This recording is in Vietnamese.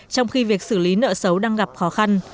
trong khi việc xử lý nợ xấu đang gặp khó khăn